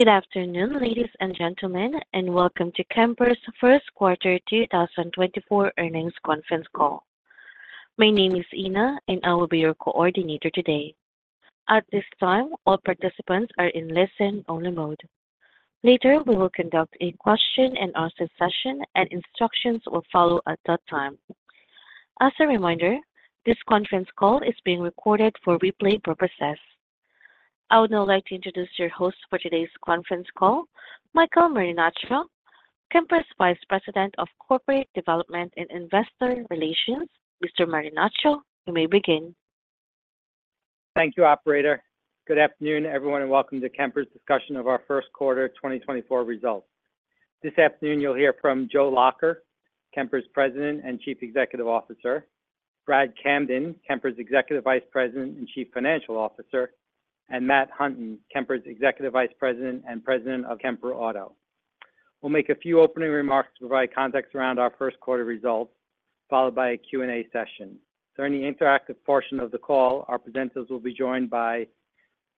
Good afternoon, ladies and gentlemen, and welcome to Kemper's First Quarter 2024 Earnings Conference Call. My name is Ina, and I will be your coordinator today. At this time, all participants are in listen-only mode. Later, we will conduct a question and answer session, and instructions will follow at that time. As a reminder, this conference call is being recorded for replay purposes. I would now like to introduce your host for today's conference call, Michael Marinaccio, Kemper's Vice President of Corporate Development and Investor Relations. Mr. Marinaccio, you may begin. Thank you, operator. Good afternoon, everyone, and welcome to Kemper's discussion of our first quarter 2024 results. This afternoon you'll hear from Joe Lacher, Kemper's President and Chief Executive Officer; Brad Camden, Kemper's Executive Vice President and Chief Financial Officer; and Matt Hunton, Kemper's Executive Vice President and President of Kemper Auto. We'll make a few opening remarks to provide context around our first quarter results, followed by a Q&A session. During the interactive portion of the call, our presenters will be joined by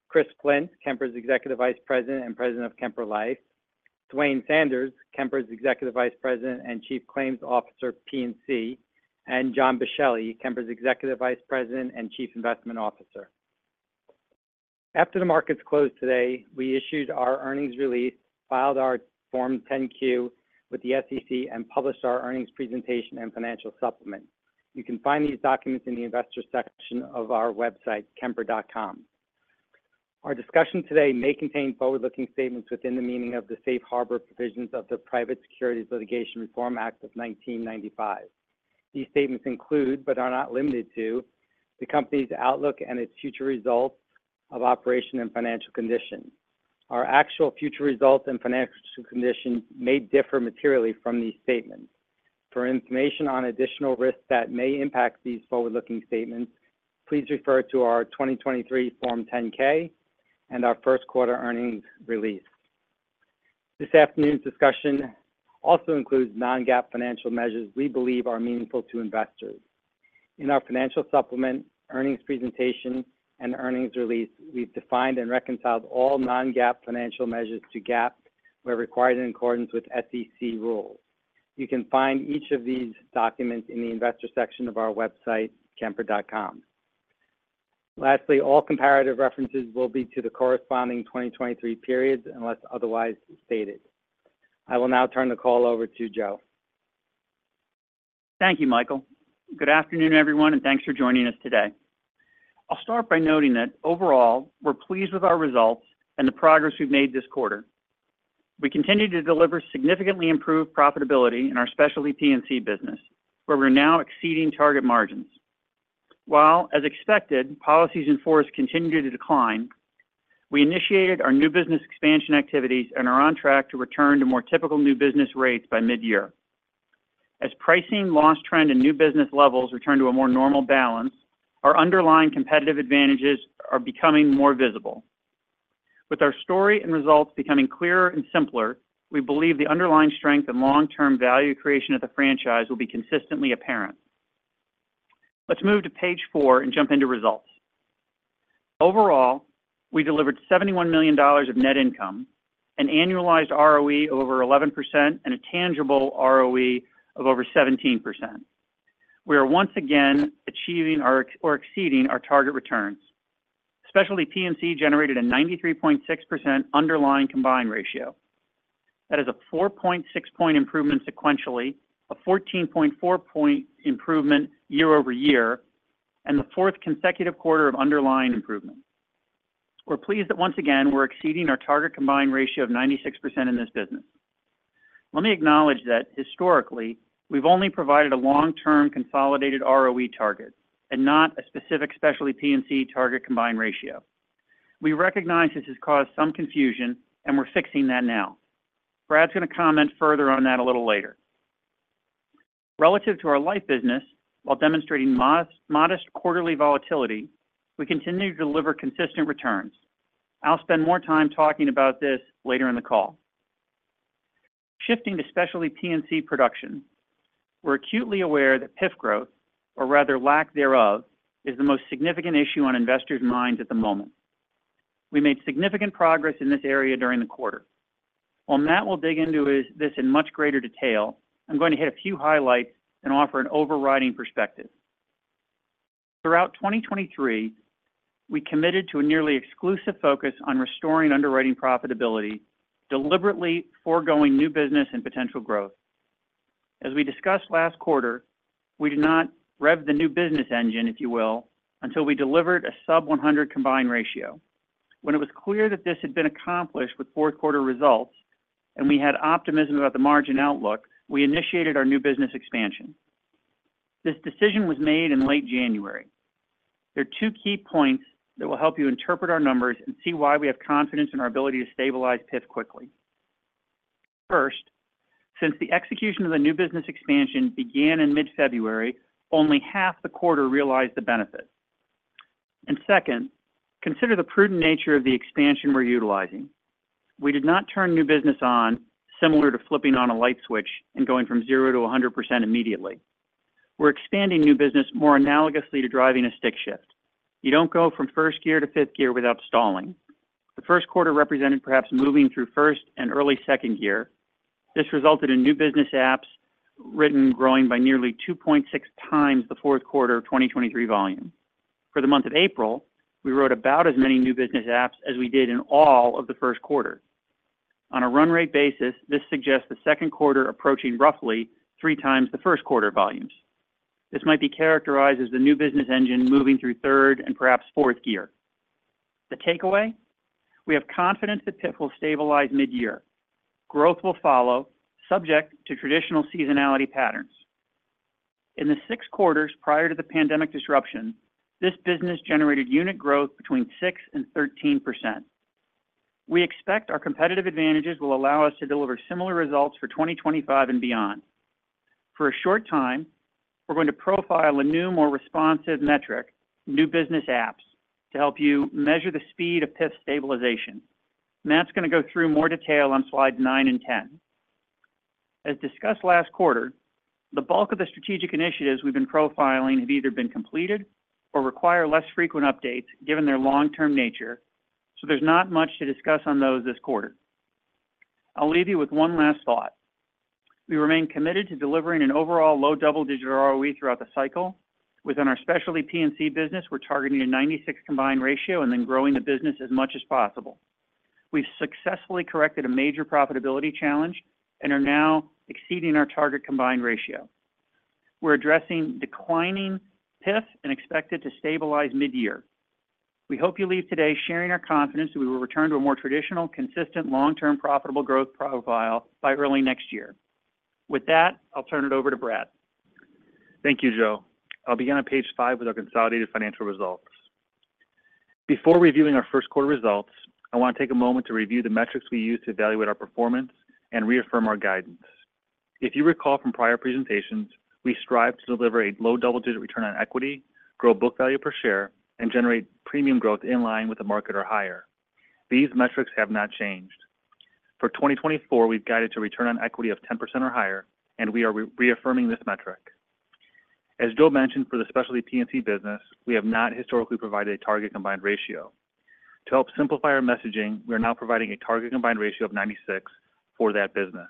Chris Flint, Kemper's Executive Vice President and President of Kemper Life; Duane Sanders, Kemper's Executive Vice President and Chief Claims Officer, P&C; and John Boschelli, Kemper's Executive Vice President and Chief Investment Officer. After the markets closed today, we issued our earnings release, filed our Form 10-Q with the SEC, and published our earnings presentation and financial supplement. You can find these documents in the investor section of our website, kemper.com. Our discussion today may contain forward-looking statements within the meaning of the Safe Harbor provisions of the Private Securities Litigation Reform Act of 1995. These statements include, but are not limited to, the Company's outlook and its future results of operations and financial condition. Our actual future results and financial condition may differ materially from these statements. For information on additional risks that may impact these forward-looking statements, please refer to our 2023 Form 10-K and our first quarter earnings release. This afternoon's discussion also includes non-GAAP financial measures we believe are meaningful to investors. In our financial supplement, earnings presentation, and earnings release, we've defined and reconciled all non-GAAP financial measures to GAAP, where required in accordance with SEC rules. You can find each of these documents in the investor section of our website, kemper.com. Lastly, all comparative references will be to the corresponding 2023 periods unless otherwise stated. I will now turn the call over to Joe. Thank you, Michael. Good afternoon, everyone, and thanks for joining us today. I'll start by noting that overall, we're pleased with our results and the progress we've made this quarter. We continue to deliver significantly improved profitability in our Specialty P&C business, where we're now exceeding target margins. While, as expected, policies in force continue to decline, we initiated our new business expansion activities and are on track to return to more typical new business rates by midyear. As pricing, loss trend, and new business levels return to a more normal balance, our underlying competitive advantages are becoming more visible. With our story and results becoming clearer and simpler, we believe the underlying strength and long-term value creation of the franchise will be consistently apparent. Let's move to page four and jump into results. Overall, we delivered $71 million of net income, an annualized ROE of over 11%, and a tangible ROE of over 17%. We are once again achieving our or exceeding our target returns. Specialty P&C generated a 93.6% underlying combined ratio. That is a 4.6-point improvement sequentially, a 14.4-point improvement year-over-year, and the fourth consecutive quarter of underlying improvement. We're pleased that once again, we're exceeding our target combined ratio of 96% in this business. Let me acknowledge that historically, we've only provided a long-term consolidated ROE target and not a specific Specialty P&C target combined ratio. We recognize this has caused some confusion, and we're fixing that now. Brad's going to comment further on that a little later. Relative to our life business, while demonstrating modest quarterly volatility, we continue to deliver consistent returns. I'll spend more time talking about this later in the call. Shifting to specialty P&C production, we're acutely aware that PIF growth, or rather lack thereof, is the most significant issue on investors' minds at the moment. We made significant progress in this area during the quarter. While Matt will dig into this in much greater detail, I'm going to hit a few highlights and offer an overriding perspective. Throughout 2023, we committed to a nearly exclusive focus on restoring underwriting profitability, deliberately foregoing new business and potential growth. As we discussed last quarter, we did not rev the new business engine, if you will, until we delivered a sub-100 combined ratio. When it was clear that this had been accomplished with fourth quarter results and we had optimism about the margin outlook, we initiated our new business expansion. This decision was made in late January. There are two key points that will help you interpret our numbers and see why we have confidence in our ability to stabilize PIF quickly. First, since the execution of the new business expansion began in mid-February, only half the quarter realized the benefit. Second, consider the prudent nature of the expansion we're utilizing. We did not turn new business on, similar to flipping on a light switch and going from zero to 100% immediately.... We're expanding new business more analogously to driving a stick shift. You don't go from first gear to fifth gear without stalling. The first quarter represented perhaps moving through first and early second gear. This resulted in new business apps written, growing by nearly 2.6 times the fourth quarter of 2023 volume. For the month of April, we wrote about as many new business apps as we did in all of the first quarter. On a run rate basis, this suggests the second quarter approaching roughly three times the first quarter volumes. This might be characterized as the new business engine moving through third and perhaps fourth gear. The takeaway, we have confidence that PIF will stabilize mid-year. Growth will follow, subject to traditional seasonality patterns. In the six quarters prior to the pandemic disruption, this business generated unit growth between six and 13%. We expect our competitive advantages will allow us to deliver similar results for 2025 and beyond. For a short time, we're going to profile a new, more responsive metric, new business apps, to help you measure the speed of PIF stabilization. Matt's going to go through more detail on slides nine and 10. As discussed last quarter, the bulk of the strategic initiatives we've been profiling have either been completed or require less frequent updates, given their long-term nature, so there's not much to discuss on those this quarter. I'll leave you with one last thought. We remain committed to delivering an overall low double-digit ROE throughout the cycle. Within our specialty P&C business, we're targeting a 96 combined ratio and then growing the business as much as possible. We've successfully corrected a major profitability challenge and are now exceeding our target combined ratio. We're addressing declining PIF and expect it to stabilize mid-year. We hope you leave today sharing our confidence that we will return to a more traditional, consistent, long-term, profitable growth profile by early next year. With that, I'll turn it over to Brad. Thank you, Joe. I'll begin on page 5 with our consolidated financial results. Before reviewing our first quarter results, I want to take a moment to review the metrics we use to evaluate our performance and reaffirm our guidance. If you recall from prior presentations, we strive to deliver a low double-digit return on equity, grow book value per share, and generate premium growth in line with the market or higher. These metrics have not changed. For 2024, we've guided to return on equity of 10% or higher, and we are reaffirming this metric. As Joe mentioned, for the Specialty P&C business, we have not historically provided a target Combined Ratio. To help simplify our messaging, we are now providing a target Combined Ratio of 96 for that business.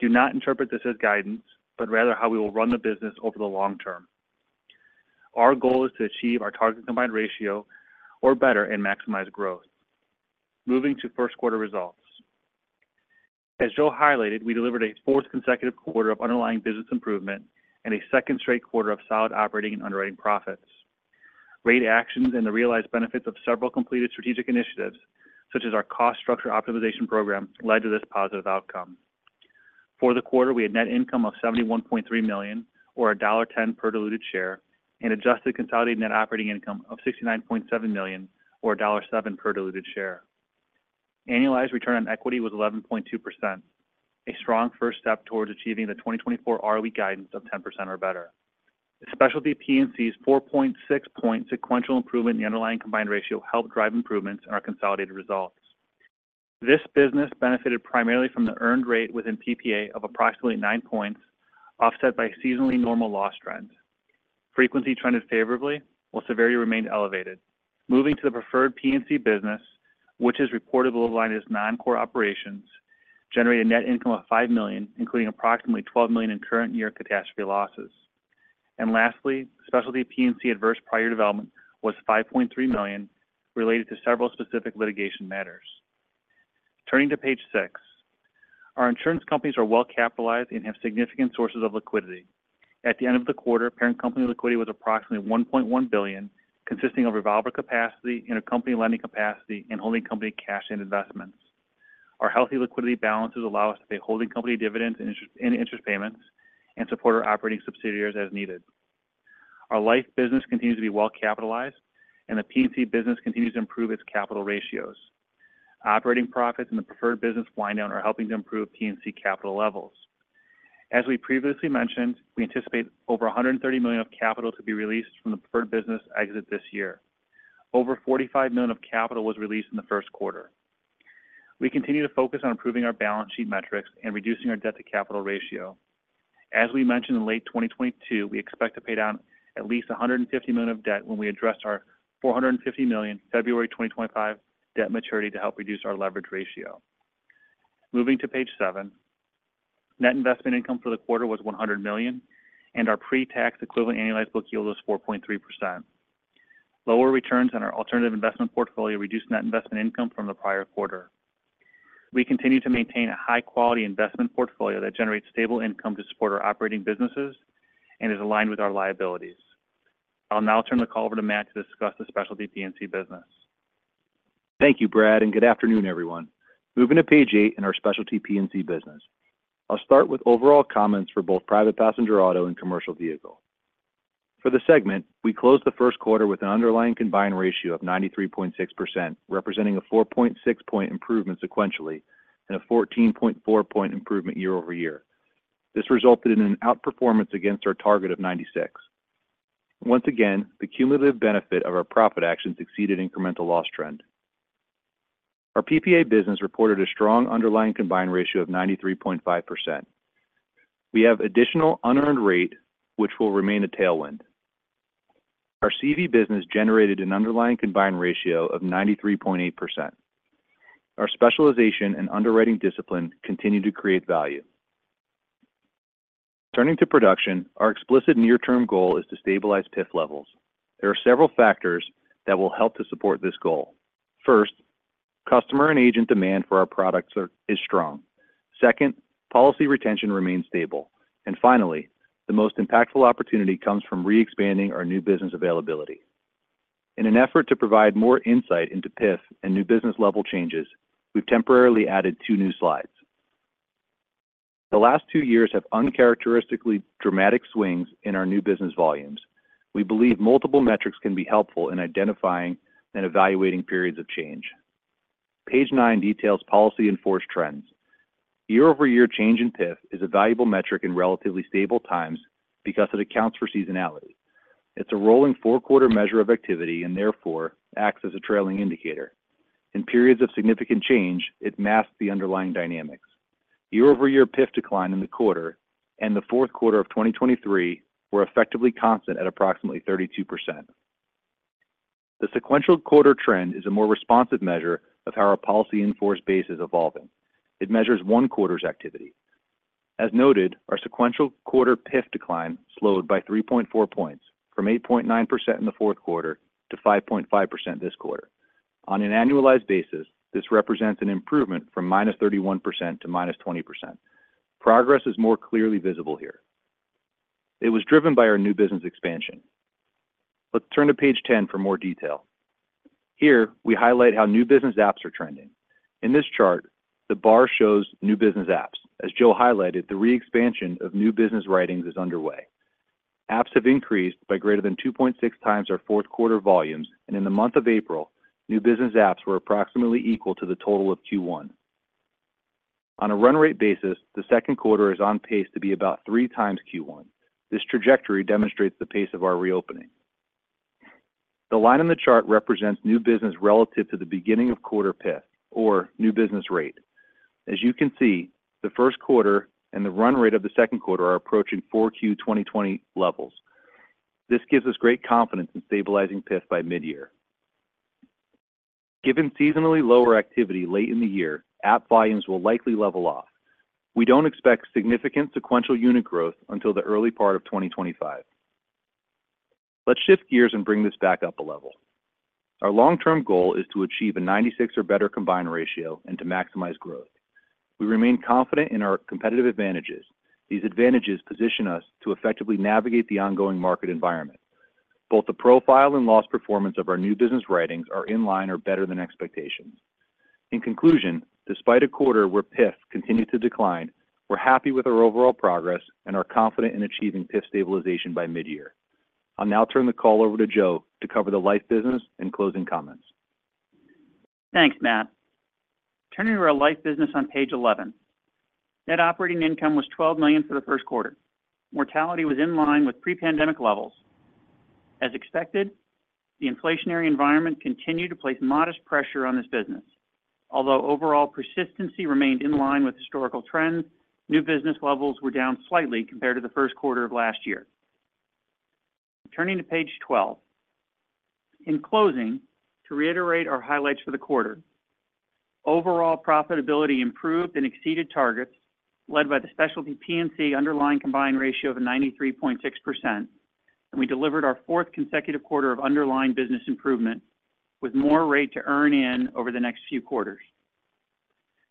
Do not interpret this as guidance, but rather how we will run the business over the long term. Our goal is to achieve our target combined ratio or better and maximize growth. Moving to first quarter results. As Joe highlighted, we delivered a fourth consecutive quarter of underlying business improvement and a second straight quarter of solid operating and underwriting profits. Rate actions and the realized benefits of several completed strategic initiatives, such as our cost structure optimization program, led to this positive outcome. For the quarter, we had net income of $71.3 million or $1.10 per diluted share, and adjusted consolidated net operating income of $69.7 million or $1.07 per diluted share. Annualized return on equity was 11.2%, a strong first step towards achieving the 2024 ROE guidance of 10% or better. Specialty P&C's 4.6-point sequential improvement in the underlying combined ratio helped drive improvements in our consolidated results. This business benefited primarily from the earned rate within PPA of approximately 9 points, offset by seasonally normal loss trends. Frequency trended favorably, while severity remained elevated. Moving to the Preferred P&C business, which is reported below the line as non-core operations, generated net income of $5 million, including approximately $12 million in current year catastrophe losses. And lastly, Specialty P&C adverse prior development was $5.3 million, related to several specific litigation matters. Turning to page 6. Our insurance companies are well capitalized and have significant sources of liquidity. At the end of the quarter, parent company liquidity was approximately $1.1 billion, consisting of revolver capacity and a company lending capacity and holding company cash and investments. Our healthy liquidity balances allow us to pay holding company dividends and interest, and interest payments and support our operating subsidiaries as needed. Our life business continues to be well capitalized, and the P&C business continues to improve its capital ratios. Operating profits in the preferred business wind down are helping to improve P&C capital levels. As we previously mentioned, we anticipate over $130 million of capital to be released from the preferred business exit this year. Over $45 million of capital was released in the first quarter. We continue to focus on improving our balance sheet metrics and reducing our debt-to-capital ratio. As we mentioned in late 2022, we expect to pay down at least $150 million of debt when we address our $450 million February 2025 debt maturity to help reduce our leverage ratio. Moving to page 7. Net investment income for the quarter was $100 million, and our pre-tax equivalent annualized book yield was 4.3%. Lower returns on our alternative investment portfolio reduced net investment income from the prior quarter. We continue to maintain a high-quality investment portfolio that generates stable income to support our operating businesses and is aligned with our liabilities. I'll now turn the call over to Matt to discuss the Specialty P&C business. Thank you, Brad, and good afternoon, everyone. Moving to page 8 in our Specialty P&C business. I'll start with overall comments for both private passenger auto and commercial vehicle. For the segment, we closed the first quarter with an underlying Combined Ratio of 93.6%, representing a 4.6-point improvement sequentially and a 14.4-point improvement year-over-year. This resulted in an outperformance against our target of 96. Once again, the cumulative benefit of our profit actions exceeded incremental loss trend.... Our PPA business reported a strong underlying Combined Ratio of 93.5%. We have additional unearned rate, which will remain a tailwind. Our CV business generated an underlying Combined Ratio of 93.8%. Our specialization and underwriting discipline continue to create value. Turning to production, our explicit near-term goal is to stabilize PIF levels. There are several factors that will help to support this goal. First, customer and agent demand for our products are strong. Second, policy retention remains stable. And finally, the most impactful opportunity comes from re-expanding our new business availability. In an effort to provide more insight into PIF and new business level changes, we've temporarily added two new slides. The last two years have uncharacteristically dramatic swings in our new business volumes. We believe multiple metrics can be helpful in identifying and evaluating periods of change. Page 9 details policies in force trends. Year-over-year change in PIF is a valuable metric in relatively stable times because it accounts for seasonality. It's a rolling 4-quarter measure of activity and therefore acts as a trailing indicator. In periods of significant change, it masks the underlying dynamics. Year-over-year PIF decline in the quarter and the fourth quarter of 2023 were effectively constant at approximately 32%. The sequential quarter trend is a more responsive measure of how our policies in force base is evolving. It measures one quarter's activity. As noted, our sequential quarter PIF decline slowed by 3.4 points, from 8.9% in the fourth quarter to 5.5% this quarter. On an annualized basis, this represents an improvement from -31% to -20%. Progress is more clearly visible here. It was driven by our new business expansion. Let's turn to page 10 for more detail. Here, we highlight how new business apps are trending. In this chart, the bar shows new business apps. As Joe highlighted, the re-expansion of new business writings is underway. Apps have increased by greater than 2.6 times our fourth quarter volumes, and in the month of April, new business apps were approximately equal to the total of Q1. On a run rate basis, the second quarter is on pace to be about 3 times Q1. This trajectory demonstrates the pace of our reopening. The line in the chart represents new business relative to the beginning of quarter PIF or new business rate. As you can see, the first quarter and the run rate of the second quarter are approaching 4Q 2020 levels. This gives us great confidence in stabilizing PIF by midyear. Given seasonally lower activity late in the year, app volumes will likely level off. We don't expect significant sequential unit growth until the early part of 2025. Let's shift gears and bring this back up a level. Our long-term goal is to achieve a 96 or better combined ratio and to maximize growth. We remain confident in our competitive advantages. These advantages position us to effectively navigate the ongoing market environment. Both the profile and loss performance of our new business writings are in line or better than expectations. In conclusion, despite a quarter where PIF continued to decline, we're happy with our overall progress and are confident in achieving PIF stabilization by midyear. I'll now turn the call over to Joe to cover the life business and closing comments. Thanks, Matt. Turning to our life business on page 11. Net operating income was $12 million for the first quarter. Mortality was in line with pre-pandemic levels. As expected, the inflationary environment continued to place modest pressure on this business. Although overall persistency remained in line with historical trends, new business levels were down slightly compared to the first quarter of last year. Turning to page 12. In closing, to reiterate our highlights for the quarter, overall profitability improved and exceeded targets, led by the specialty P&C underlying combined ratio of 93.6%, and we delivered our fourth consecutive quarter of underlying business improvement, with more rate to earn in over the next few quarters.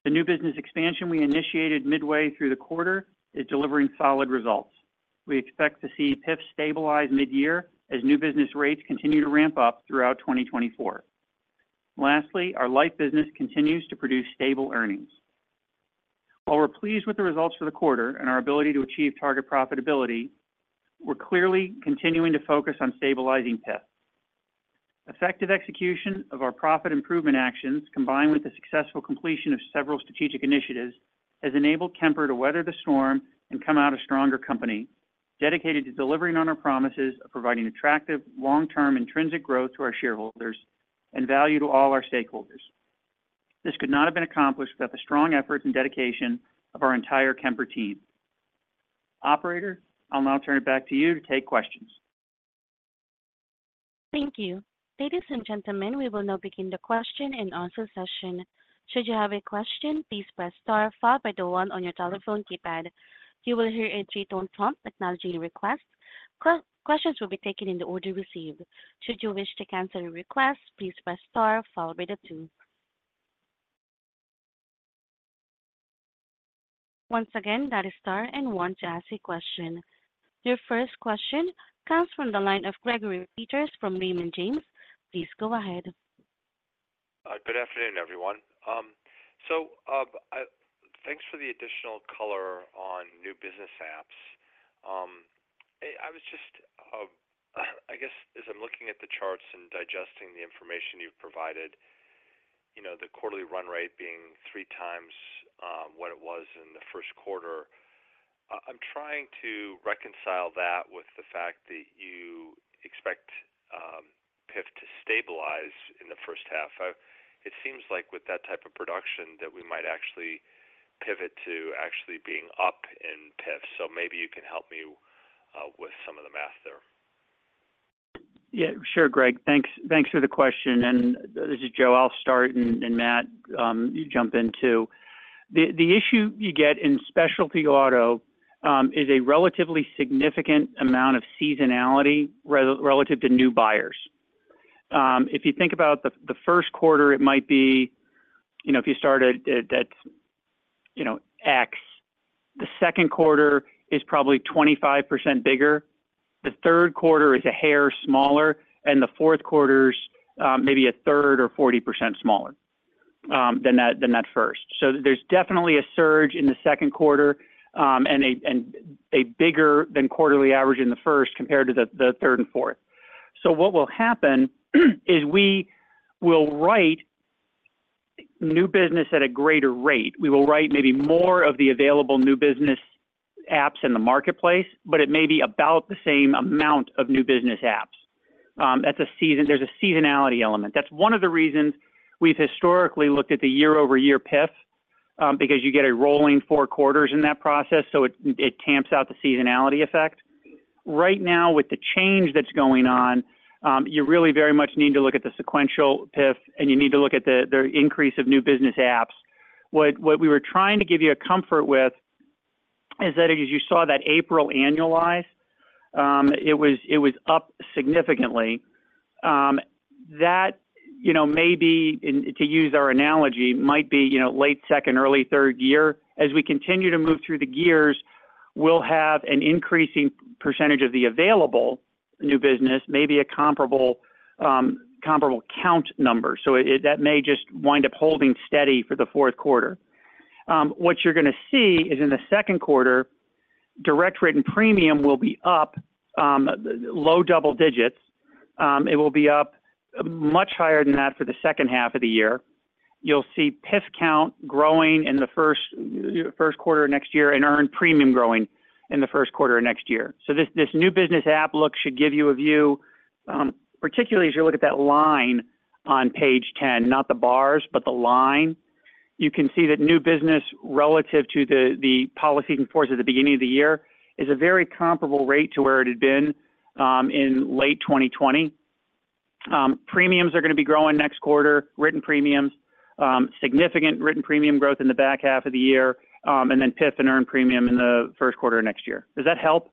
The new business expansion we initiated midway through the quarter is delivering solid results. We expect to see PIF stabilize mid-year as new business rates continue to ramp up throughout 2024. Lastly, our life business continues to produce stable earnings. While we're pleased with the results for the quarter and our ability to achieve target profitability, we're clearly continuing to focus on stabilizing PIF. Effective execution of our profit improvement actions, combined with the successful completion of several strategic initiatives, has enabled Kemper to weather the storm and come out a stronger company, dedicated to delivering on our promises of providing attractive, long-term intrinsic growth to our shareholders and value to all our stakeholders. This could not have been accomplished without the strong efforts and dedication of our entire Kemper team. Operator, I'll now turn it back to you to take questions. Thank you. Ladies and gentlemen, we will now begin the question and answer session. Should you have a question, please press star followed by the one on your telephone keypad. You will hear a three-tone prompt acknowledging request. Questions will be taken in the order received. Should you wish to cancel a request, please press star followed by the two. Once again, that is star and one to ask a question. Your first question comes from the line of Gregory Peters from Raymond James. Please go ahead. Good afternoon, everyone. So, thanks for the additional color on new business apps. I was just, I guess as I'm looking at the charts and digesting the information you've provided, you know, the quarterly run rate being three times what it was in the first quarter. I'm trying to reconcile that with the fact that you expect PIF to stabilize in the first half. It seems like with that type of production, that we might actually pivot to actually being up in PIF. So maybe you can help me with some of the math there. Yeah, sure, Greg. Thanks, thanks for the question. And this is Joe, I'll start, and Matt, you jump in, too. The issue you get in specialty auto is a relatively significant amount of seasonality relative to new buyers. If you think about the first quarter, it might be, you know, if you started at, you know, X, the second quarter is probably 25% bigger, the third quarter is a hair smaller, and the fourth quarter's maybe a third or 40% smaller than that first. So there's definitely a surge in the second quarter and a bigger than quarterly average in the first, compared to the third and fourth. So what will happen is we will write new business at a greater rate. We will write maybe more of the available new business apps in the marketplace, but it may be about the same amount of new business apps. That's a seasonality element. That's one of the reasons we've historically looked at the year-over-year PIF, because you get a rolling four quarters in that process, so it tamps out the seasonality effect. Right now, with the change that's going on, you really very much need to look at the sequential PIF, and you need to look at the increase of new business apps. What we were trying to give you a comfort with is that as you saw that April annualized, it was up significantly. That, you know, may be, and to use our analogy, might be, you know, late second, early third year. As we continue to move through the gears, we'll have an increasing percentage of the available new business, maybe a comparable count number. So it. That may just wind up holding steady for the fourth quarter. What you're going to see is in the second quarter, direct written premium will be up, low double digits. It will be up much higher than that for the second half of the year. You'll see PIF count growing in the first quarter of next year, and earned premium growing in the first quarter of next year. So this, this new business app look should give you a view, particularly as you look at that line on page 10, not the bars, but the line, you can see that new business, relative to the, the policy in force at the beginning of the year, is a very comparable rate to where it had been, in late 2020. Premiums are going to be growing next quarter, written premiums, significant written premium growth in the back half of the year, and then PIF and earned premium in the first quarter of next year. Does that help?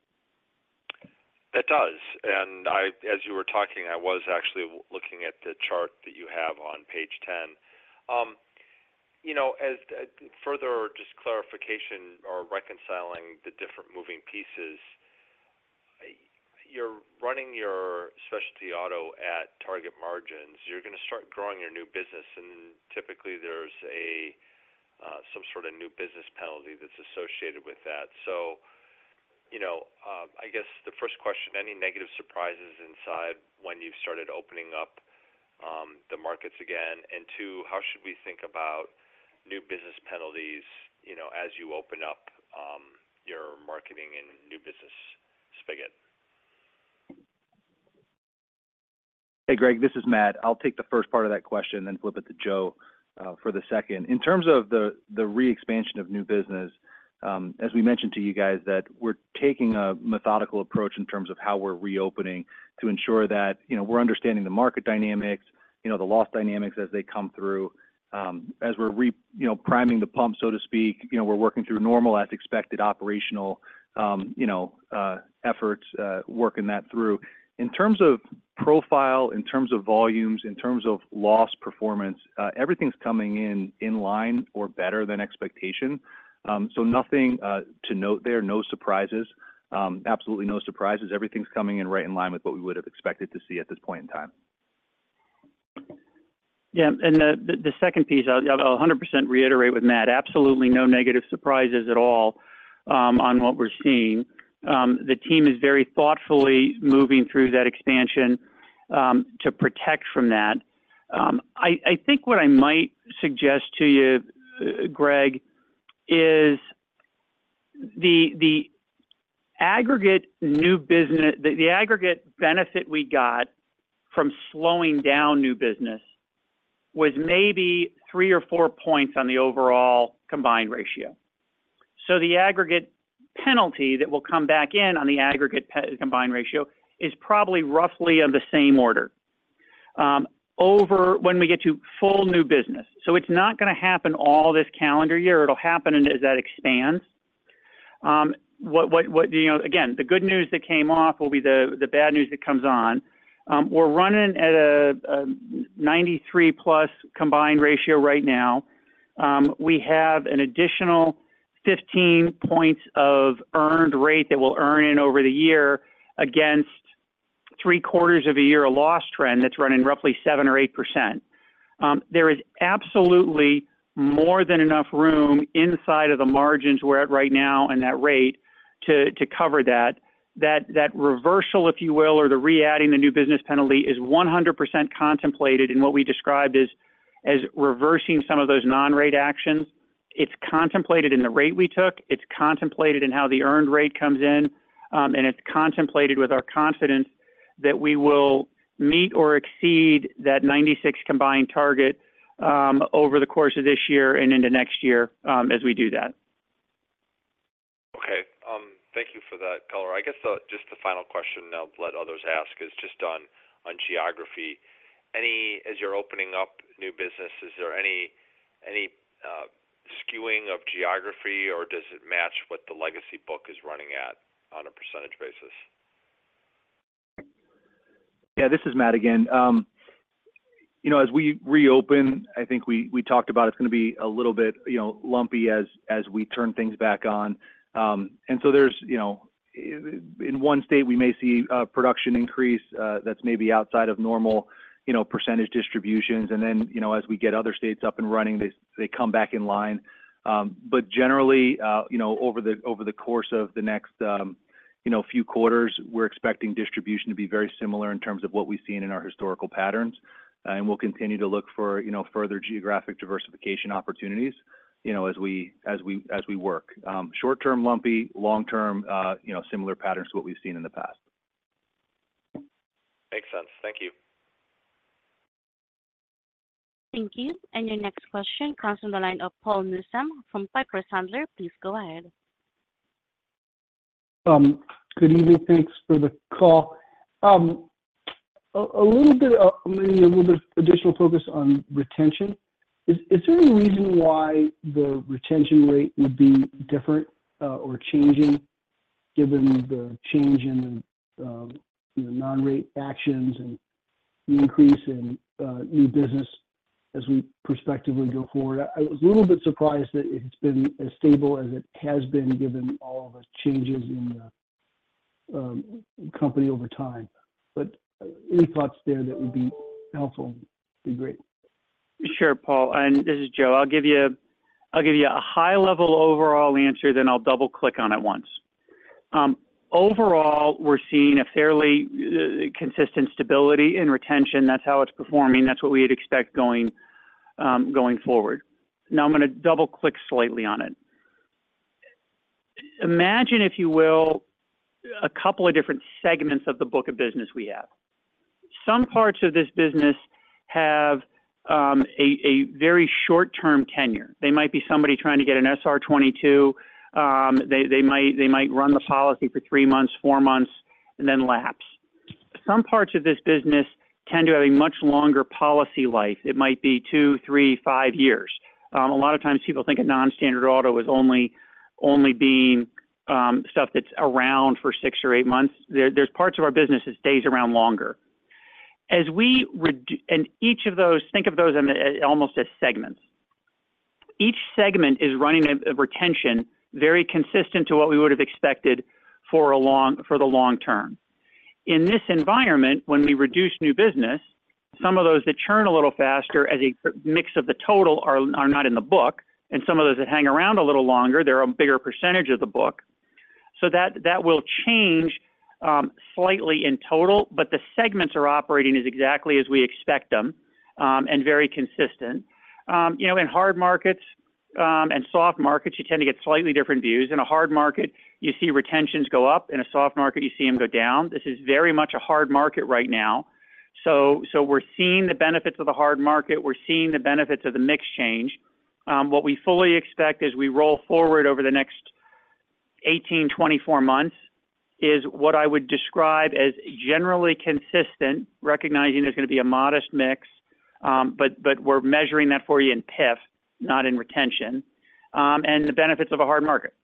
It does. And as you were talking, I was actually looking at the chart that you have on page 10. You know, as further just clarification or reconciling the different moving pieces, you're running your specialty auto at target margins. You're going to start growing your new business, and typically there's a some sort of new business penalty that's associated with that. So, you know, I guess the first question: Any negative surprises inside when you started opening up the markets again? And two, how should we think about new business penalties, you know, as you open up your marketing and new business spigot? Hey, Greg, this is Matt. I'll take the first part of that question, then flip it to Joe for the second. In terms of the re-expansion of new business, as we mentioned to you guys, that we're taking a methodical approach in terms of how we're reopening to ensure that, you know, we're understanding the market dynamics, you know, the loss dynamics as they come through. As we're, you know, priming the pump, so to speak, you know, we're working through normal as expected operational, you know, efforts, working that through. In terms of profile, in terms of volumes, in terms of loss performance, everything's coming in in line or better than expectation. So nothing to note there. No surprises. Absolutely no surprises. Everything's coming in right in line with what we would have expected to see at this point in time. Yeah, the second piece, I'll 100% reiterate with Matt. Absolutely no negative surprises at all on what we're seeing. The team is very thoughtfully moving through that expansion to protect from that. I think what I might suggest to you, Greg, is the aggregate new business, the aggregate benefit we got from slowing down new business was maybe three or four points on the overall combined ratio. So the aggregate penalty that will come back in on the aggregate combined ratio is probably roughly of the same order over when we get to full new business. So it's not going to happen all this calendar year. It'll happen as that expands. What you know. Again, the good news that came off will be the bad news that comes on. We're running at a 93+ combined ratio right now. We have an additional 15 points of earned rate that we'll earn in over the year, against three quarters of a year, a loss trend that's running roughly 7% or 8%. There is absolutely more than enough room inside of the margins we're at right now and that rate to cover that. That reversal, if you will, or the readding, the new business penalty, is 100% contemplated in what we described as reversing some of those non-rate actions, it's contemplated in the rate we took, it's contemplated in how the earned rate comes in, and it's contemplated with our confidence that we will meet or exceed that 96 combined target, over the course of this year and into next year, as we do that. Okay. Thank you for that, Lacher. I guess just the final question, and I'll let others ask, is just on geography. Any as you're opening up new businesses, is there any skewing of geography, or does it match what the legacy book is running at on a percentage basis? Yeah, this is Matt again. You know, as we reopen, I think we talked about it's gonna be a little bit, you know, lumpy as we turn things back on. And so there's, you know, in one state, we may see a production increase that's maybe outside of normal, you know, percentage distributions. And then, you know, as we get other states up and running, they come back in line. But generally, you know, over the course of the next few quarters, we're expecting distribution to be very similar in terms of what we've seen in our historical patterns. And we'll continue to look for, you know, further geographic diversification opportunities, you know, as we work. Short term, lumpy. Long term, you know, similar patterns to what we've seen in the past. Makes sense. Thank you. Thank you. And your next question comes from the line of Paul Newsome from Piper Sandler. Please go ahead. Good evening. Thanks for the call. A little bit, maybe a little bit additional focus on retention. Is there any reason why the retention rate would be different or changing given the change in the non-rate actions and the increase in new business as we prospectively go forward? I was a little bit surprised that it's been as stable as it has been, given all of the changes in the company over time. But any thoughts there that would be helpful would be great. Sure, Paul, and this is Joe. I'll give you a high-level overall answer, then I'll double-click on it once. Overall, we're seeing a fairly consistent stability in retention. That's how it's performing. That's what we'd expect going forward. Now, I'm gonna double-click slightly on it. Imagine, if you will, a couple of different segments of the book of business we have. Some parts of this business have a very short-term tenure. They might be somebody trying to get an SR-22. They might run the policy for 3 months, 4 months, and then lapse. Some parts of this business tend to have a much longer policy life. It might be 2, 3, 5 years. A lot of times people think of non-standard auto as only being stuff that's around for 6 or 8 months. There, there's parts of our business that stays around longer. As we and each of those, think of those as almost segments. Each segment is running a retention very consistent to what we would have expected for the long term. In this environment, when we reduce new business, some of those that churn a little faster as a mix of the total are not in the book, and some of those that hang around a little longer, they're a bigger percentage of the book. So that, that will change slightly in total, but the segments are operating as exactly as we expect them, and very consistent. You know, in hard markets, and soft markets, you tend to get slightly different views. In a hard market, you see retentions go up. In a soft market, you see them go down. This is very much a hard market right now. So we're seeing the benefits of the hard market. We're seeing the benefits of the mix change. What we fully expect as we roll forward over the next 18-24 months is what I would describe as generally consistent, recognizing there's gonna be a modest mix, but we're measuring that for you in PIF, not in retention, and the benefits of a hard market.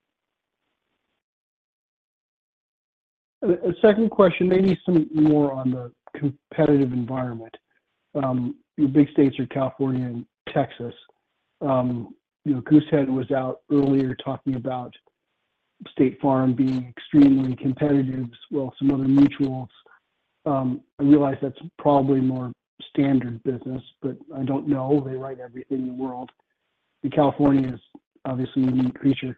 And a second question, maybe some more on the competitive environment. Your big states are California and Texas. You know, Goosehead was out earlier talking about State Farm being extremely competitive, as well as some other mutuals. I realize that's probably more standard business, but I don't know. They write everything in the world, and California is obviously a unique creature.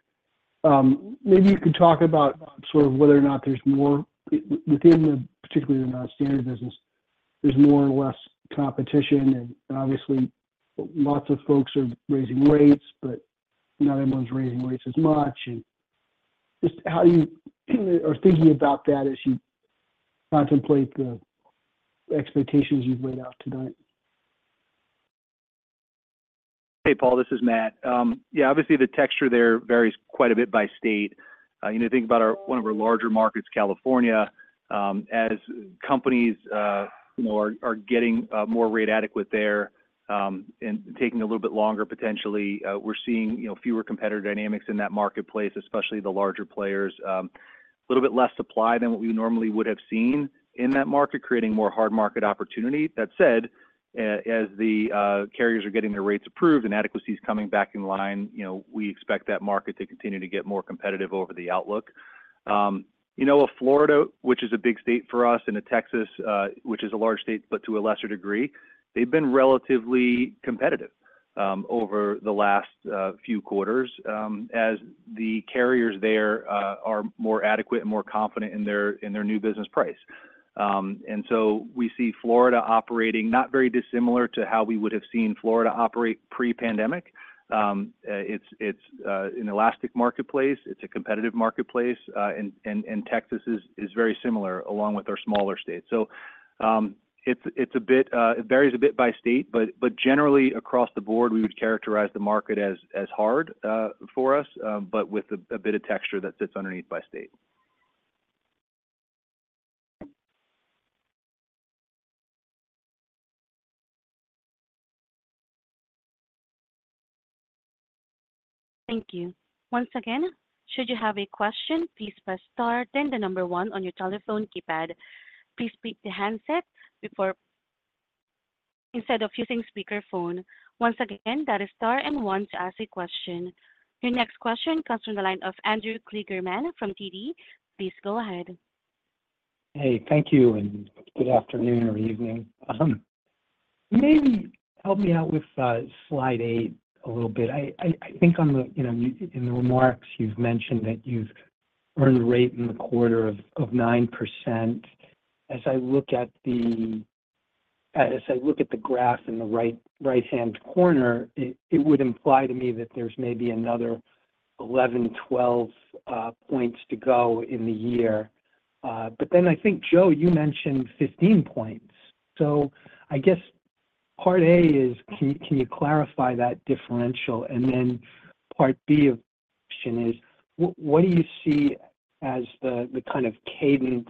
Maybe you could talk about sort of whether or not there's more within the, particularly the non-standard business, there's more or less competition, and obviously, lots of folks are raising rates, but not everyone's raising rates as much, and just how you are thinking about that as you contemplate the expectations you've laid out tonight. Hey, Paul, this is Matt. Yeah, obviously the texture there varies quite a bit by state. You know, think about one of our larger markets, California, as companies, you know, are getting more rate adequate there, and taking a little bit longer, potentially, we're seeing fewer competitor dynamics in that marketplace, especially the larger players. A little bit less supply than what we normally would have seen in that market, creating more hard market opportunity. That said, as the carriers are getting their rates approved and adequacy is coming back in line, you know, we expect that market to continue to get more competitive over the outlook. You know, Florida, which is a big state for us, and Texas, which is a large state, but to a lesser degree, they've been relatively competitive.... over the last few quarters, as the carriers there are more adequate and more confident in their new business price. And so we see Florida operating not very dissimilar to how we would have seen Florida operate pre-pandemic. It's an elastic marketplace, it's a competitive marketplace, and Texas is very similar along with our smaller states. So, it's a bit, it varies a bit by state, but generally across the board, we would characterize the market as hard for us, but with a bit of texture that sits underneath by state. Thank you. Once again, should you have a question, please press star then the number 1 on your telephone keypad. Please speak to handset before, instead of using speakerphone. Once again, that is star and 1 to ask a question. Your next question comes from the line of Andrew Kligerman from TD. Please go ahead. Hey, thank you, and good afternoon or evening. Maybe help me out with slide 8 a little bit. I think on the, you know, in the remarks you've mentioned that you've earned a rate in the quarter of 9%. As I look at the graph in the right-hand corner, it would imply to me that there's maybe another 11, 12 points to go in the year. But then I think, Joe, you mentioned 15 points. So I guess part A is: Can you clarify that differential? And then part B of the question is: What do you see as the kind of cadence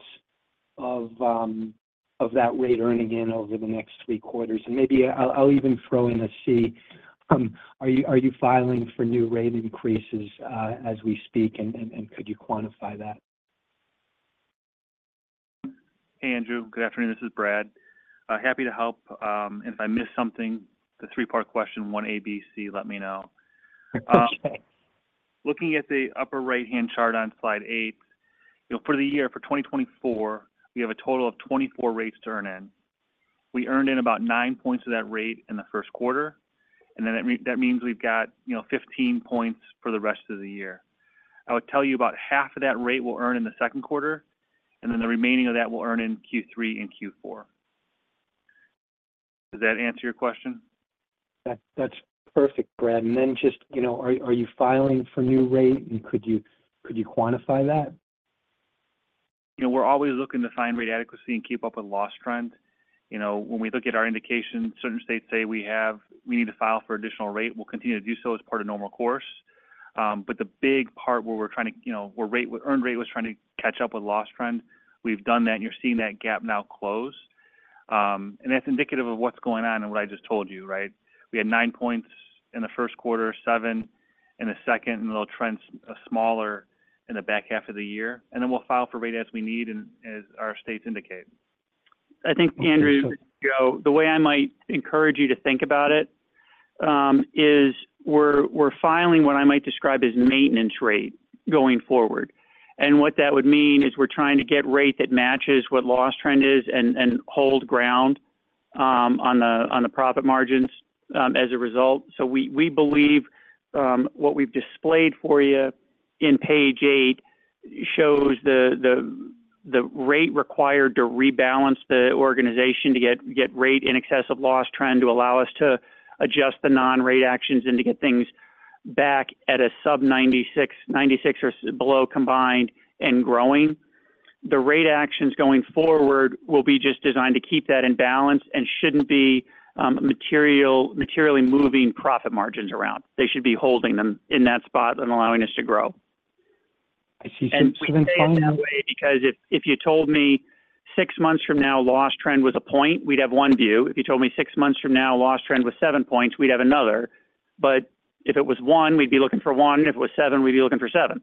of that rate earning over the next three quarters? And maybe I'll even throw in a C. Are you filing for new rate increases, and could you quantify that? Hey, Andrew. Good afternoon. This is Brad. Happy to help. If I missed something, the three-part question one, A, B, C, let me know. Looking at the upper right-hand chart on slide 8, you know, for the year for 2024, we have a total of 24 rates to earn in. We earned in about 9 points of that rate in the first quarter, and then that means we've got, you know, 15 points for the rest of the year. I would tell you about half of that rate we'll earn in the second quarter, and then the remaining of that we'll earn in Q3 and Q4. Does that answer your question? That, that's perfect, Brad. And then just, you know, are you filing for new rate? And could you quantify that? You know, we're always looking to find rate adequacy and keep up with loss trend. You know, when we look at our indication, certain states say we need to file for additional rate, we'll continue to do so as part of normal course. But the big part where we're trying to, you know, where rate, where earned rate was trying to catch up with loss trend, we've done that, and you're seeing that gap now close. And that's indicative of what's going on and what I just told you, right? We had nine points in the first quarter, seven in the second, and they'll trend smaller in the back half of the year. And then we'll file for rate as we need and as our states indicate. I think, Andrew, Joe, the way I might encourage you to think about it, is we're filing what I might describe as maintenance rate going forward. And what that would mean is we're trying to get rate that matches what loss trend is and hold ground on the profit margins as a result. So we believe what we've displayed for you in page 8 shows the rate required to rebalance the organization to get rate in excess of loss trend, to allow us to adjust the non-rate actions and to get things back at a sub 96, 96 or below, combined and growing. The rate actions going forward will be just designed to keep that in balance and shouldn't be materially moving profit margins around. They should be holding them in that spot and allowing us to grow. I see. We say it that way because if you told me 6 months from now, loss trend was 1 point, we'd have one view. If you told me 6 months from now, loss trend was 7 points, we'd have another. But if it was 1, we'd be looking for 1. If it was 7, we'd be looking for 7.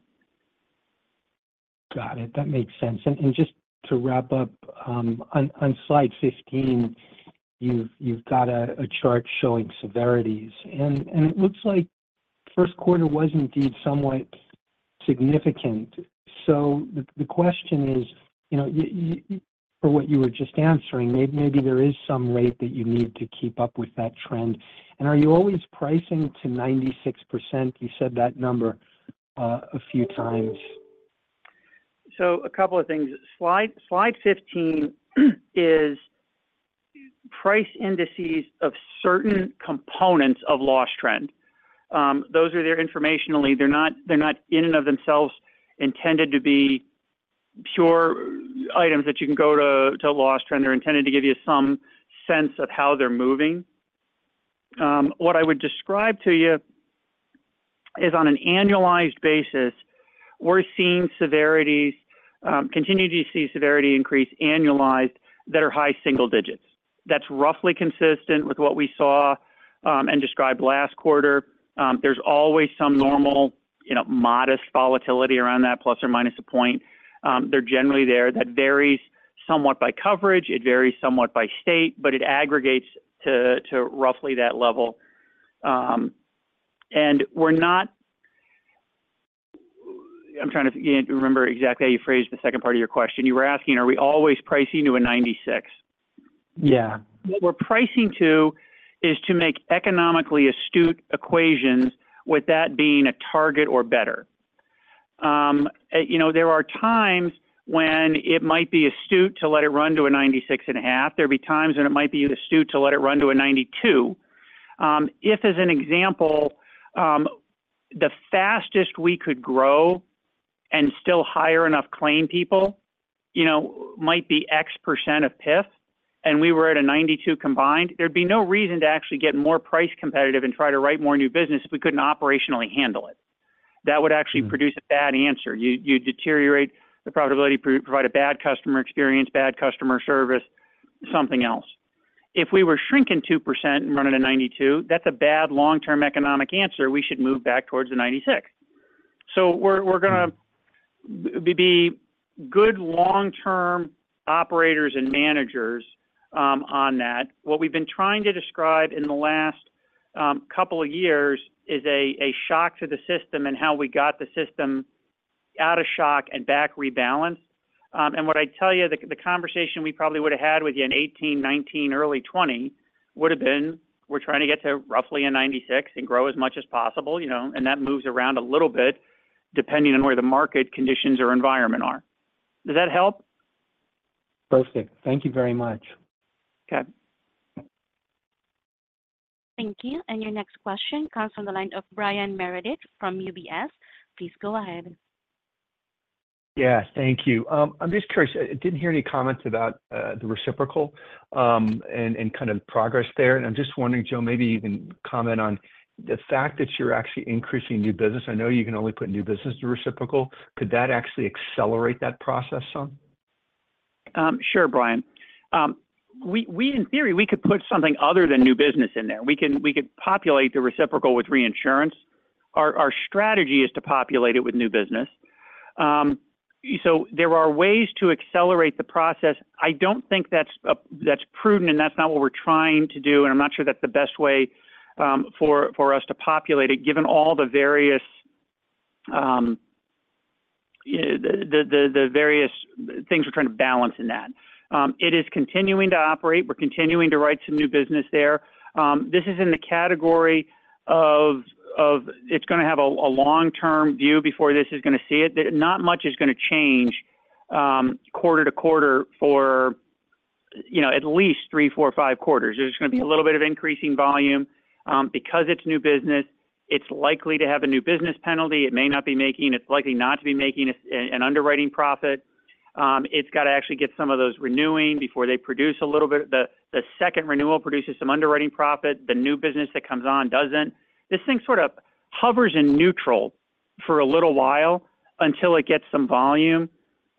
Got it. That makes sense. And just to wrap up, on slide 15, you've got a chart showing severities, and it looks like first quarter was indeed somewhat significant. So the question is, you know, for what you were just answering, maybe there is some rate that you need to keep up with that trend. And are you always pricing to 96%? You said that number a few times. So a couple of things. Slide fifteen is price indices of certain components of loss trend. Those are there informationally. They're not, they're not in and of themselves intended to be pure items that you can go to loss trend. They're intended to give you some sense of how they're moving. What I would describe to you is on an annualized basis, we're seeing severities continue to see severity increase annualized that are high single digits. That's roughly consistent with what we saw and described last quarter. There's always some normal, you know, modest volatility around that, plus or minus a point. They're generally there. That varies somewhat by coverage, it varies somewhat by state, but it aggregates to roughly that level. And we're not. I'm trying to again remember exactly how you phrased the second part of your question. You were asking, are we always pricing to a 96? Yeah. What we're pricing to is to make economically astute equations with that being a target or better. And, you know, there are times when it might be astute to let it run to a 96.5. There'll be times when it might be astute to let it run to a 92. If, as an example, the fastest we could grow and still hire enough claim people, you know, might be X% of PIF, and we were at a 92 combined, there'd be no reason to actually get more price competitive and try to write more new business if we couldn't operationally handle it. That would actually produce a bad answer. You'd deteriorate the profitability, provide a bad customer experience, bad customer service, something else. If we were shrinking 2% and running a 92, that's a bad long-term economic answer. We should move back towards the 96. So we're gonna be good long-term operators and managers on that. What we've been trying to describe in the last couple of years is a shock to the system and how we got the system out of shock and back rebalanced. And what I'd tell you, the conversation we probably would have had with you in 2018, 2019, early 2020, would have been, we're trying to get to roughly a 96 and grow as much as possible, you know, and that moves around a little bit depending on where the market conditions or environment are. Does that help? Perfect. Thank you very much. Okay. Thank you, and your next question comes from the line of Brian Meredith from UBS. Please go ahead. Yeah, thank you. I'm just curious. I didn't hear any comments about the reciprocal and kind of progress there. I'm just wondering, Joe, maybe you can comment on the fact that you're actually increasing new business. I know you can only put new business to reciprocal. Could that actually accelerate that process some? Sure, Brian. We in theory could put something other than new business in there. We could populate the reciprocal with reinsurance. Our strategy is to populate it with new business. So there are ways to accelerate the process. I don't think that's prudent, and that's not what we're trying to do, and I'm not sure that's the best way for us to populate it, given all the various things we're trying to balance in that. It is continuing to operate. We're continuing to write some new business there. This is in the category of... It's gonna have a long-term view before this is gonna see it. That not much is gonna change quarter to quarter for, you know, at least 3, 4, or 5 quarters. There's gonna be a little bit of increasing volume. Because it's new business, it's likely to have a new business penalty. It's likely not to be making an underwriting profit. It's got to actually get some of those renewing before they produce a little bit. The second renewal produces some underwriting profit. The new business that comes on doesn't. This thing sort of hovers in neutral for a little while until it gets some volume,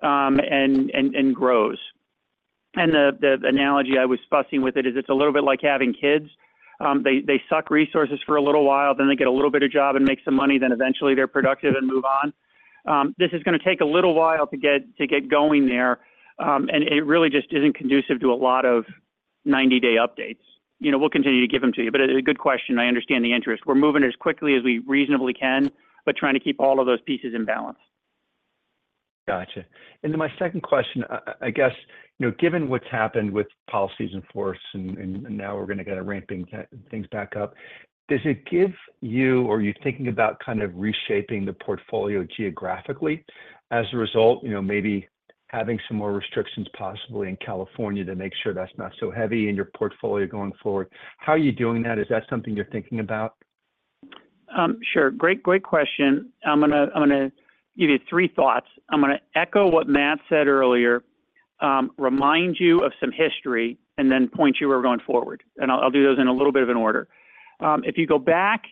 and grows. The analogy I was fussing with it is, it's a little bit like having kids. They suck resources for a little while, then they get a little bit of job and make some money, then eventually they're productive and move on. This is gonna take a little while to get going there, and it really just isn't conducive to a lot of 90-day updates. You know, we'll continue to give them to you, but a good question. I understand the interest. We're moving as quickly as we reasonably can, but trying to keep all of those pieces in balance. Gotcha. And then my second question, I guess, you know, given what's happened with policies in force and now we're gonna get a ramping things back up, does it give you, or are you thinking about kind of reshaping the portfolio geographically as a result? You know, maybe having some more restrictions possibly in California to make sure that's not so heavy in your portfolio going forward. How are you doing that? Is that something you're thinking about? Sure. Great, great question. I'm gonna, I'm gonna give you three thoughts. I'm gonna echo what Matt said earlier, remind you of some history, and then point you where we're going forward. And I'll, I'll do those in a little bit of an order. If you go back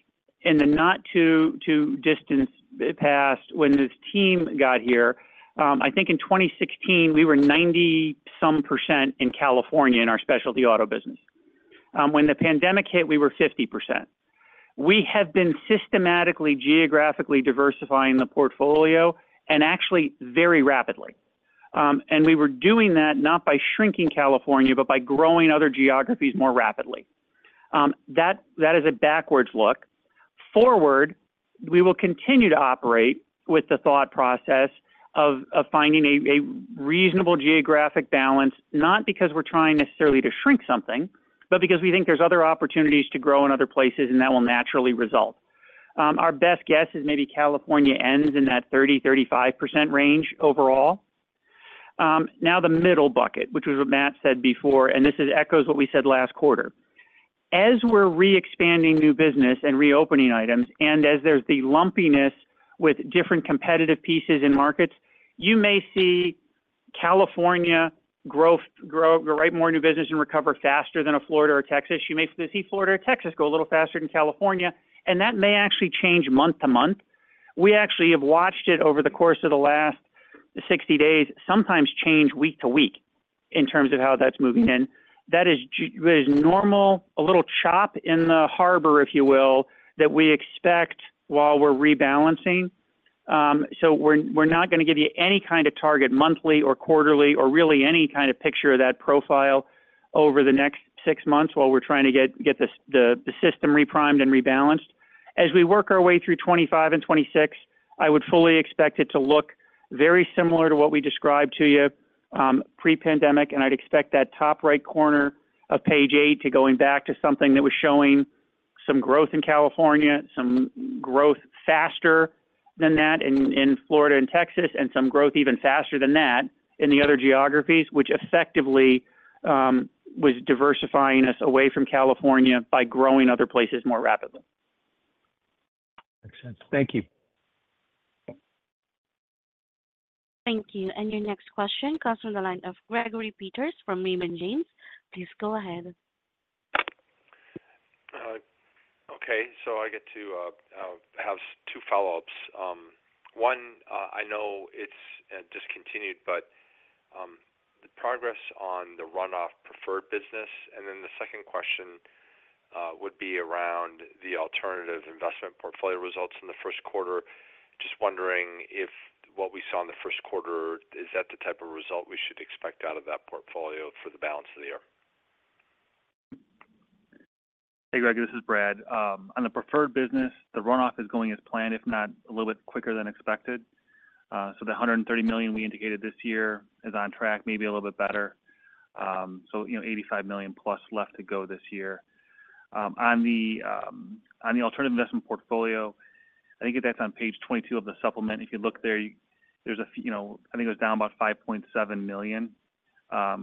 in the not too, too distant past when this team got here, I think in 2016, we were 90-some% in California in our specialty auto business. When the pandemic hit, we were 50%. We have been systematically, geographically diversifying the portfolio and actually very rapidly. And we were doing that not by shrinking California, but by growing other geographies more rapidly. That, that is a backwards look forward, we will continue to operate with the thought process of finding a reasonable geographic balance, not because we're trying necessarily to shrink something, but because we think there's other opportunities to grow in other places, and that will naturally result. Our best guess is maybe California ends in that 30%-35% range overall. Now, the middle bucket, which was what Matt said before, and this echoes what we said last quarter. As we're re-expanding new business and reopening items, and as there's the lumpiness with different competitive pieces in markets, you may see California growth, write more new business and recover faster than a Florida or Texas. You may see Florida or Texas go a little faster than California, and that may actually change month to month. We actually have watched it over the course of the last 60 days, sometimes change week to week in terms of how that's moving in. That is normal, a little chop in the harbor, if you will, that we expect while we're rebalancing. So we're not gonna give you any kind of target, monthly or quarterly, or really any kind of picture of that profile... over the next 6 months while we're trying to get the system reprimed and rebalanced. As we work our way through 2025 and 2026, I would fully expect it to look very similar to what we described to you, pre-pandemic, and I'd expect that top right corner of page 8 to going back to something that was showing some growth in California, some growth faster than that in Florida and Texas, and some growth even faster than that in the other geographies, which effectively, was diversifying us away from California by growing other places more rapidly. Makes sense. Thank you. Thank you. And your next question comes from the line of Gregory Peters from Raymond James. Please go ahead. Okay, so I get to have two follow-ups. One, I know it's discontinued, but the progress on the runoff preferred business. And then the second question would be around the alternative investment portfolio results in the first quarter. Just wondering if what we saw in the first quarter is the type of result we should expect out of that portfolio for the balance of the year? Hey, Gregory, this is Brad. On the preferred business, the runoff is going as planned, if not a little bit quicker than expected. So the $130 million we indicated this year is on track, maybe a little bit better. So, you know, $85 million plus left to go this year. On the alternative investment portfolio, I think that's on page 22 of the supplement. If you look there, there's a few, you know, I think it was down about $5.7 million, Q4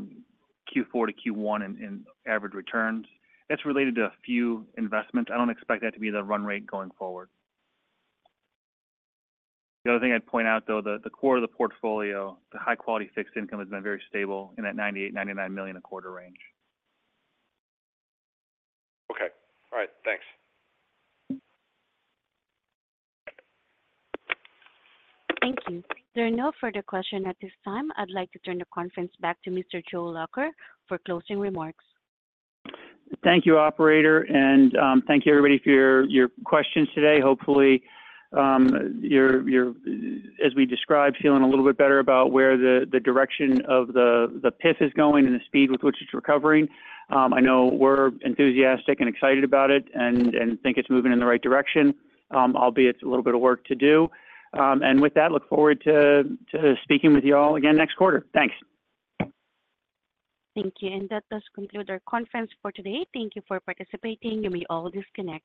to Q1 in average returns. That's related to a few investments. I don't expect that to be the run rate going forward. The other thing I'd point out, though, the core of the portfolio, the high quality fixed income, has been very stable in that $98-$99 million a quarter range. Okay. All right. Thanks. Thank you. There are no further questions at this time. I'd like to turn the conference back to Mr. Joe Lacher for closing remarks. Thank you, operator, and thank you everybody for your questions today. Hopefully, you're, as we described, feeling a little bit better about where the direction of the PIF is going and the speed with which it's recovering. I know we're enthusiastic and excited about it and think it's moving in the right direction, albeit a little bit of work to do. And with that, look forward to speaking with you all again next quarter. Thanks. Thank you. That does conclude our conference for today. Thank you for participating, and we all disconnect.